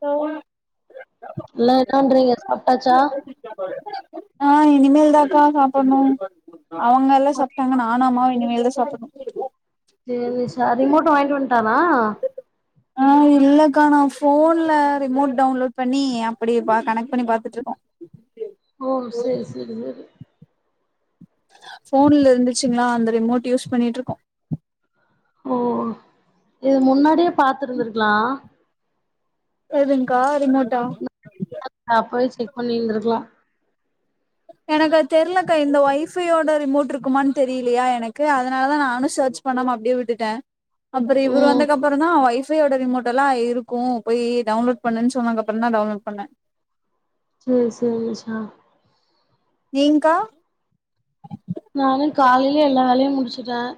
தோன் இல்ல [unintelligible] சாப்ட்டாச்சா ஆ இனிமேல் தாக்கா சாப்புட்ணு அவுங்க எல்லா சப்ட்டாங்க நானு அம்மாவு இனிமேல் தா சாப்புட்ணு ஜேநிஷா ரிமோட்டு வாய்ன்டு வன்ட்டானா ஆ இல்லக்கா நா ஃபோன்ல ரிமோட் டவுன்லோட் பண்ணி அப்டி ப கனெக்ட் பண்ணி பாத்துட்ருக்கோ ஓ செரி செரி செரி ஃபோன்ல இருந்துச்சுங்ளா அந்த ரிமோட் யூஸ் பண்ணிட்ருக்கோ ஓ இது முன்னாடியே பாத்துருந்திருக்கலா எதுங்க்கா ரிமோட்டா அ அப்பவே செக் பண்ணி இருந்திருக்லா எனக்கு அது தெர்லக்கா இந்த ஒய்ஃபையோட ரிமோட் இருக்குமானு தெரியிலயா எனக்கு அதனாலதா நானு சர்ச் பண்ணாம அப்டியே விட்டுட்ட அப்பற இவுரு ம் வந்தக்கப்பறந்தா வைஃப் ஃப்பி யோட ரிமோட்டெல்லா இருக்கும் போய் டவுன்லோட் பண்ணுன் சொன்னதற்கப்புறம் தான் டவுன்லோட் பண்ணே சேரி சேரி ஷா நீங்க்கா நானும் காலையிலயே எல்லா வேலையும் முடிச்சுட்டேன்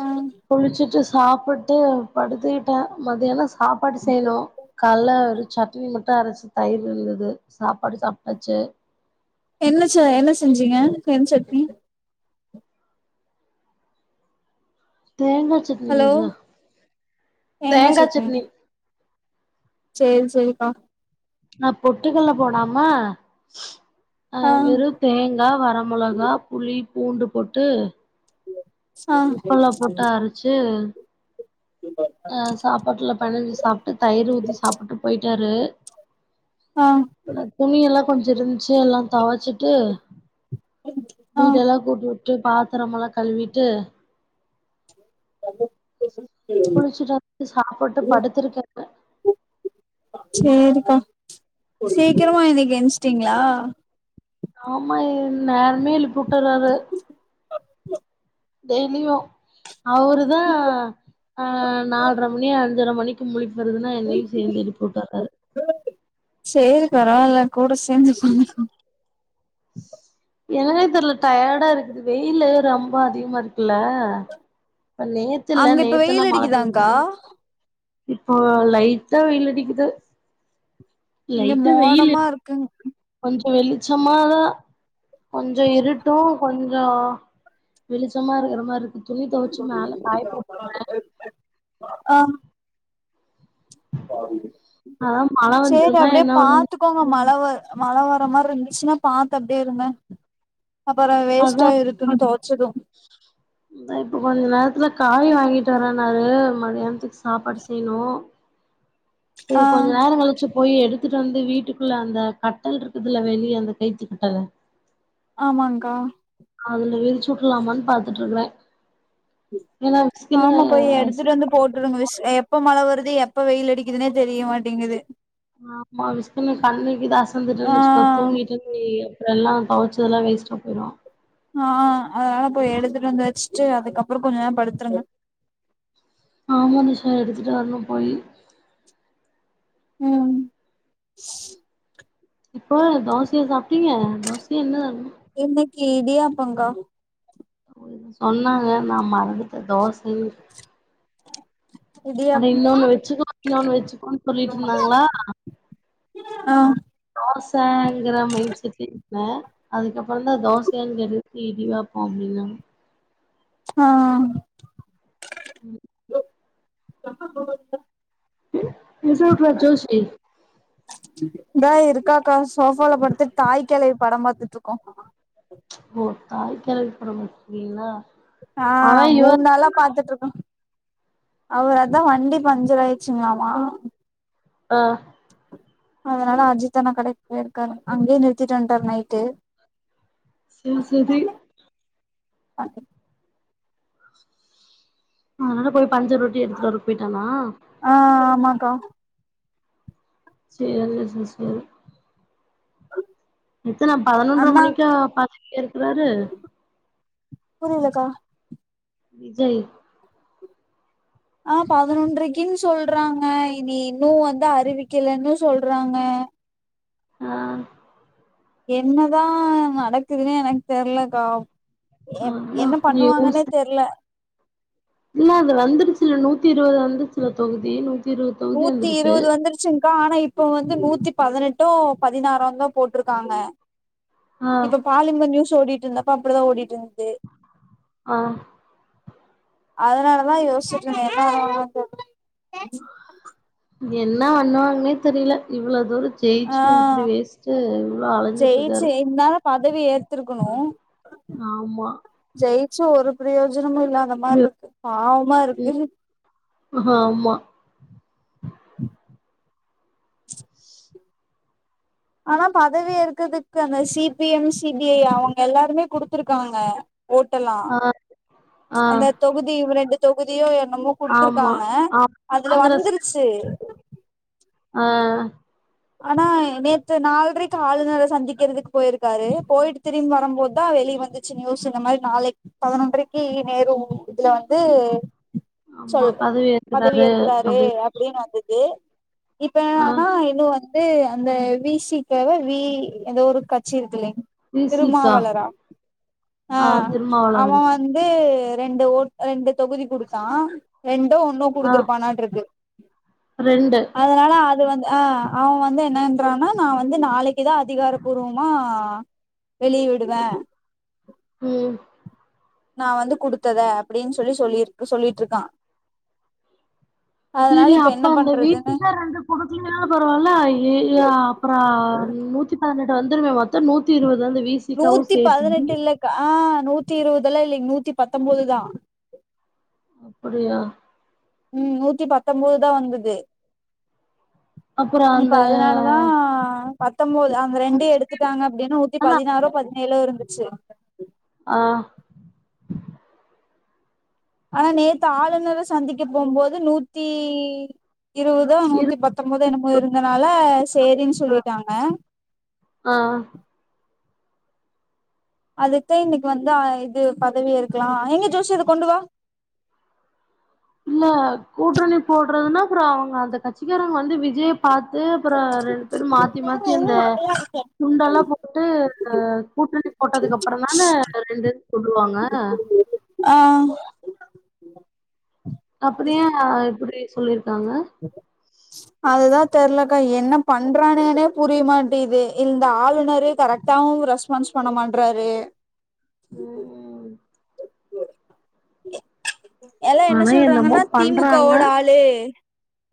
ஆ குளிச்சுட்ட சாப்பிட்டு படுத்துக்கிட்டேன் மத்தியானம் சாப்பாடு செய்யணு காலேல சட்னி மட்டும் அரச்சு தயிர் இருந்தது சாப்பாடு சாப்ட்டாச்சு என்ன ஷ என்ன செஞ்சீங்க என்ன சட்னி தேங்காய் சட்னி ஹலோ நிஜ்வா எங்கயாச்சு தேங்கா இருக்கீங் சட்னி சேரி சேரிக்கா நா பொட்டுக்கல்ல போடாம ஆ வெறும் தேங்கா வர மொளகா புளி பூண்டு போட்டு ஆ உப்பெல்லா போட்டு அரச்சு அ சாப்பாட்டுல பெனஞ்சு சாப்ட்டு ஆ நக் துணி எல்லா கொஞ்ச இருந்துச்சு எல்லா துவச்சிட்டு ஆ வீடெல்லா கூட்டி உட் அப்படியே பாத்ரமெல்லா கழுவிட்டு [inaudible] குளிச்சுட்டு வந்து சாப்புட்டு படுத்திருக்கேனு சீக்கரமா இன்னைக்கு எந்ச்சிட்டிங்ளா ஆமா இ நேரமே எழுப்பி உட் டர்ரறு டெய்லியு அவுருதா ஆ நால்ர மணி அ ஞ்சர மணிக்கு முழி ப்பு வந்துருதுனு என்னையு சேந்து எழுப்பி உட்டர்றாரு பரவால கூட சேந்து உக்காந்துகோங் என்னனே தெர்ல டயர்டா இருக்குது வெயிலு ரொம்ப அதிகமாருக் ல்ல இப்ப நேத்து இல்ல அங்க இப்ப நேத்து வெயில் எல்லாம் மழை அடிக்குதாங்க்கா பெஞ்சுது இப்போ லைட்டா வெயில் அடிக் கிது இங்க மோடமா இருக்குங் இப்போ வெளிச்சமாதா கொஞ்சோ இருட்டூ கொஞ்சோ வெளிச்சமா இருக்கிற மார்ருக்கு [unintelligible] ஆம் [unintelligible] அதா மழ சேரி வந்துருமா அப்புடியே என்ன ஒன்னு பாத்துக்கோங்க மழ வ மழ வ ர மார்ருந்துச்சுன்னா பாத்து அப்டியே இருங்க அப்பறோ வேஸ்ட் அத்தா ஆயிரு [unintelligible] துணி தொவச்சது தோ இப்ப கொஞ்ச நேரத்துல காய் வாங் கிட்டு வரனாரு மதியானத்துக்கு சாப்பாடு செய்யணு ஆ சேரி கொஞ்ச நேரோ கழிச்சுப் போய் எடுத்துட்டு வந்து வீட்டுக்குள்ள அந்த கட்டல்ருக்குதுல வெளிய அந்த கைத்து கட்டலு ஆமாங்கா சுட்டுலாமான்னு பாத்துட்ருக்குறே ஆமா போய் எடுத்துட்டு வந்து போட்டுடுங்க விஸ் அ எப்போ மழ வ ருது எப்ப வெயில் அடிக்குதுனே தெரிய மாட்டீங்குது ஆமா விஸ்க்குன்னு கண்ணு இது அசந்துடுட்டுன்னு வெச்சிக்கோ ஆ தூங்கிட்டுன்னு வெய் இதெல்லா தொவச்சதெல்லா வேஸ்டா போயிரூ ஆ அதனால போய் எடுத்துட்டு வந்து வெச்சுட்டு அதுக்கப்புறம் கொஞ்ச நேரம் படுத்துருங்க ஆ மோனிஷா எடுத்துட்டு வரனும் போயி ம் இப்போ தோசையா சாப்ட்டீங்க தோசையா என்ன சாப் இன்னைக்கி இடியாப்பங்கா [inaudible] சொன்னாங்க நான் மறந்து அ தோசை ஆனா இடியாப்பம் இன்னொன்னு வெச்சுக்கோ இன்னொன்னு வெச்சுக்கோனு சொல்லிட்ருந்தாங்களா ஆ தோஸ் தாட் ங்குற மயின்ட்செட்டு ன அதுக்கப்புறோ தா தோசையான்னு கேட்டதுக்கு இடியாப்போம் அப்புடின்னாங் ஆ உம் [unintelligible] [unintelligible] தா இருக்காக்கா சோஃபால படுத்துட் தாய் கிழவி படம் பாத்துட்ருக்கோம் ஓ தாய்க்கெழவி படம் பாக்குறீங்களா ஆஹ் மூண் நாளா பாத்துட்ருக்கோ அவரதா வண்டி பஞ்சராயிர்ச்சுங்களாமா ஆஹ் அதனால அஜித்தன்னா கடைக் போயிருக்காரு அங்கே நிறுத்திட்டு வன்ட்டாரு நைட்டு செரி செரி க [unintelligible] ஆதுனால போய் பஞ்சர் ஒட்டி எடுத்துட்டு வர போய்ட்டானா க்கா சேரி ச சேரி அஹ இத்தன பதனொன்ற மணிக்கா பதவி ஏர்க்குறாரு புரிலக்கா விஜய் ஆஹ் பதனொன்றைக்குன் சொல்றாங்க இனி இன்னு வந்து அறிவிக்கலன்னு சொல்றாங்க ஆஹ் என்னதா நடக்குதுனே எனக்கு தெர்லக்கா எ அதா என்ன நியூஸ் பண்ணுவாங்கன்னே தெர்ல இல்ல அது வந்துருச்சுல நூத்தி இருவது வந்துருச்சுல தொகுதி நூ நூத்தி இருவது வந்துருச்சுங்க்கா ஆனா இப் இப்ப வந்து நூத்தி பதனெட்டோ பதினாறோந்தா போட்ருக்காங்க ஆ இப்ப பாலிமர் நியூஸ் ஓடிட் இல்லபா அப்டிதா ஓடிட்ருந் ஆஹ் அதனாலதா யோசிச்சுட்ருந்த [unintelligible] என்ன பண்ணுவாங்கன்னே தெரியில இவ்வளோ தூர ஆ ஜெயிச்சு இப்புடி வேஸ்டு இவ்ளோ அலைஞ்சிட்டு ஜெயிச்சு இருக்காரு இந்தால பதவி ஏத்ருக்கணு ஆமா ஜெயிச்சு ஒரு பிரோயோஜ னமு இல்லாத மாரி ம், இருக்கு பாவமா இருக்கு அ ஆமா ஆனா பதவி இருக்கதுக்கு அந்த C P M C P I அவங்க எல்லாருமே குடுத்துருக்காங்க ஓட்டலா ஆ ஆ அந்த தொகுதி இவரெண்டு தொகுதியோ எ [unintelligible] ஆமா குடுத்துருக்காங்க ஆ அதுல காங்கிரஸ் வந்துருச்சு ஆ ஆனா நேத்து நாலரைக்கு ஆளுநரை சந்திக்கிறதுக் போயிருக்காரு போயிட்டு திரும்பி வரம் போது தா வெளிய வந்துச்சு நியூஸு இந்த மாரி நாளைக்கு பதினொன்ரைக்கு நேரு இதுல வந்து ஆமா சொல்ற பதவி பதவி ஏற்கிறாரு ஏற்க்குறாரு அப்டின்னு அப்டினு வந்துது தே இப்ப ஆ ஆனா இன்னும் வந் ந்து அந்த விசிக்காவ வி ஏதோ ஒரு கட்சி இருக்குலிங் வி சி கா திருமாவளரா ஆ அவன் வந்து ரெண்டு ஊர் ரெண்டு தொகுதி குடுத்தா ரெண் டோ ஒன்னு ஆ குடுத்துருப்பானாட்டு இருக்கு ரெண்டு அதனால அத் வந்து ஆ அவன் வந்து என்னன்றானா நா வந்து நாளைக்குதா அதிகாரபூர்வமா வெளிய விடுவே ம் நா வந்து குடுத்தத அப்டினு சொல்லி சொல்லிரு சொல்லிட்டு இருக்கா செரி அப்ப அந்த வீட்டுக்காரர் அந்த குடுக்குலனாலு பரவால ஏ அப்பற நூத்தி பதினெட்டு வந்துர்மே மொத்த நூத்தி இருபதுதா அந்த விட் நூத்தி பதினெட்டு இல்லக்கா நூத் நூத்தி இருபதுலா இல்லிங்க நூத்தி பத்தொம்பதுதா அப்புடியா ம் நூத்தி பத்தொம்பதுதா வந்துது அப்றோ இப்ப அதனாலதா அந்த பத்தொம்பொது அந்த ரெண்டயு எடுத்துட்டாங்க அப்டின்னு நூத்தி ஆனா பதினாறோ பதினேழோ இருந்து [unintelligible] ஆ ஆனா நேத்து ஆளுநர சந்திக்க போம்போது நூத்தி இருவதோ நூத்தி இருக்கு பத்தம்போதோ என்னமோ இருந்தனால சேரின் சொல்லிட்டாங்க ஆ அதுக்தா இன்னைக்கு வந்து ஆ இது பதவி ஏற்கலா எங்க ஜோஷி அத கொண்டு வா இல்ல கூட்டணி போட்றதுனா அப்றோ அவுங்க அந்த கட்சிக்காரங்க வந்து வி ஜய பாத்து அப்ற ரெண்டு பேரூ மாத்தி மாத்தி அந்த துண்டெல்லா போட்டு கூட்டணி போட்டதுக்கப்றநிதான ரெண்டு இது சொல்லுவாங்க ஆஹ் அப்டியா இப்டி சொல்லிருக்காங்க அதுதா தெர்லக்கா என்ன பண்றானுகனே புரிய மாட்டீது இந்த ஆளுநரு கரக்டாவு ரெஸ்பான்ஸ் பண்ண மாட்றாரு ம் ம் எல்லா என்ன ஆனா என்னமோ சொல்றாங்கன்னா தி மு க பண்றாங்க ஓட ஆளு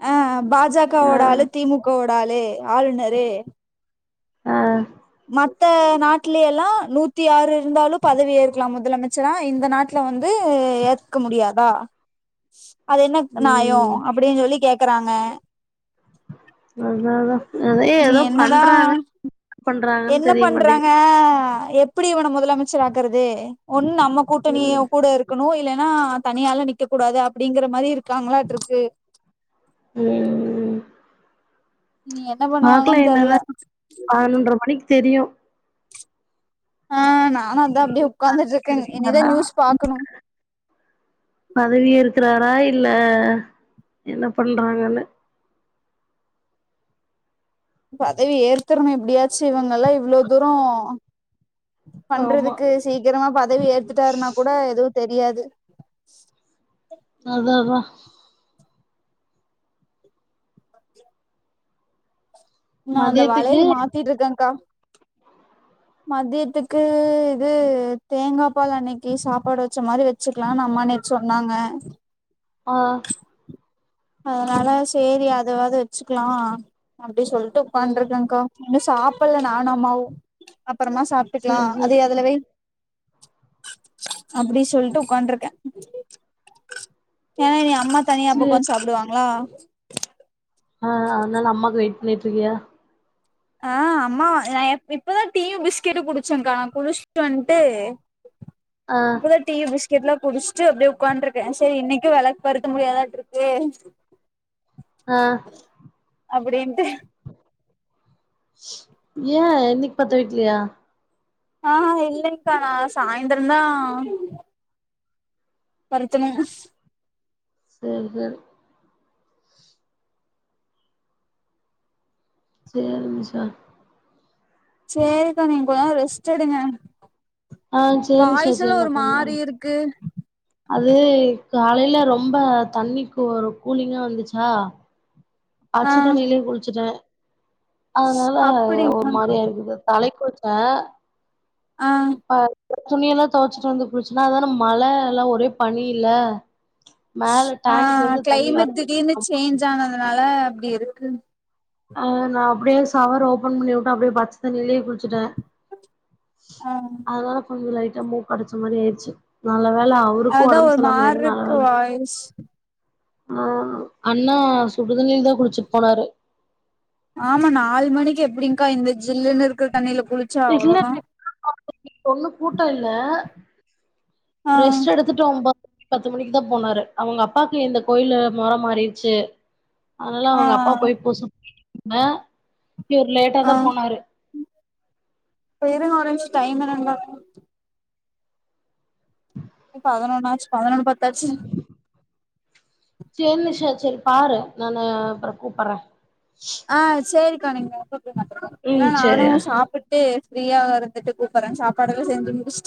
ஆ அம் பா ஜ கா ஆ வோட ஆளு தி மு கவோட ஆளு ஆளுநரு ஆ மத்த நாட்லேலா நூத்தி ஆறு இருந்தாலு பதவி ஏற்கலா முதலமைச்சரா இந்த நாட்ல வந்து ஏத்துக்க முடியாதா அது என்ன நாயோ ம் அப்டின்னு சொல்லி கே க்குறாங்க அதாதா அதா நீ ஏதோ என்னதா பண்றாங்க பண்றாங்கன்னு என்ன தெரிய மாட்டேங்குது பண்றாங்க எப்டி இவன முதலமைச்சர் ஆக்குறது ஒண் நம் ம்ம கூட்டணி ம் இவ கூட இருக்கணு இல்ல ஆ தனியாளா நிக்க கூடாது அப்டிங்கிற மாரி இருக்காங்களாட்டுக்கு ம் இனி என்ன பாக்கலா பண்ணுவாங்கன்னு தெர்ல என்னதா பதினொன்ற மணி தெரியு ஆ நா நானு அதா அப்டியே ஒக்காந்துட்ருக்கே இனிதா இருக்குனாலா நியூஸ் பாக்கணு ர இல்ல என்ன பண்றாங்கன்னு பதவி ஏத்றணு எப்டியாச்சு இவுங்கெல்லா இவ்ளோ தூரோ ஆமா பண்றதுக்கு சீக்கிரமா பதவி ஏத்துட்டாருன்னா கூட எதுவு தெரியாது அதா அதா நா அந்த மதியத்துக்கு வளைல மாத்திட்ருக்கே கா மதியத்துக்கு இது தேங்கா பால் அன்னைக்கு சாப்பாடு வச்ச மாரி வச்சுக்கலாம்னு அம்மா நீக்கு சொன்னாங்க ஆஹ் அதனால சரி அதவாது வச்சுக்கலா அப்டி சொல்ட்டு ம் உக்காண்ருக்கக்கா அ சாப்பில நானு அம்மாவு அப் அப்பறமா சாப்ட்டுக்கலா சேரி அது சேரி அதுலவை அப்டி சொல்ட்டு உகாண்டருக்கே ஏன்யா அமா தனியா போ சேரி [unintelligible] சாப்டுவாங்களா ஆ நல்ல அம்மக்கு வை நப்பியா ஆ அமா நா இப்பதா டீயு பிஸ்கெட்டு குடிச்சேக்கா குடிச்சுட்டு வந்ட்டு ஆ இப்போதா டீயு பிஸ் கெட்லா குடிச்ட்டு அப்டியே உக்காண்ட்ருக்கே சரி இன்னைக்கு வெளக்கு பருத்த முடியாதாட்ருக்கு ஆ அப்டின்ட்டு ஏ இன்னைக்கு பத்த வைக்லையா ஆ இல்லக்கா நா சாய்ந்தரந்தா பத்தனு சரி சரி சரி நிஷா சேரிகா நீ நல்லா ரெஸ்ட் எடுங்க ஆ செரி ச செரி வாய்ஸெல்லா நா ஒரு கொஞ்ச நேரொ மாரி இருக்கு அது காலையில ரொம்ப தண்ணிக்கு ஒரு கூலிங்கா இருந்துச்சா ஆ பச்சதண்ணிலயே குளிச்சுட்டே அதனால அப்படிங் ஒரு மாரியா இருக்குது தலை குச்சா ஆ துணி எல்லா தொவச்சிட்டு வந்து குளிச்சென்னா அதொட மழ எல்லா ஒரே பனி இல்ல மேல ஆ டேங்க்ல இருந்து தண்ணி கிளைமேட் வருது திடீர்னு சேஞ்ச் ஆன துனால அப்டி இருக்கு ஆ நா அப்டியே ஷவர் ஓப்பன் பண்ணி விட்டு அப்டியே பச்ச தண்ணிலயே குளிச்சுட்டே ஆ அதுனால கொஞ்ச லைட் டா மூக்கடிச்சு ஒரு மாறி அயிச்சு நா அதுதா ஒரு மாறிருக்கு வாய்ஸ் ஆ அண்ணா சுடுதண்ணிலதா குளிச்சுட்டு போனாரு ஆமா நாலு மணிக்கு எப்டிங்கா இந்த ஜில்லுன்னு இருக்க தண்ணில குளிச்சா அவ்ளோதா ஒண்ணு கூட்ட இல்ல ஆ ட்ரெஸ் எடுத்துட்டு அவுங்க ப பத்து மணிக்கு தா போனாரு அவங்க அப்பாக்கு இந்த கோயில்ல மொர மாறிச்சு அதனால ஆ அவங்க அப்பா போய் பூச னா இவரு ஆ லேட்டாதா போனாரு டைம்மு நல்லா இப்ப பதினொன்னாச்சு பதினொன் பத் தாச்சி சேரி நிஷா சேரி பாரு நானு அப்பற கூப்பட்றே ஆ சேரி க்கா நீங்க கூப் [unintelligible] இல்ல ம் நானு சேரி சாப்புட்டு ஃப்ரீயாக இருந்துட்டு கூப்புட்றே சாப்பாடெல்லா செஞ்சு முடிச்ட்டு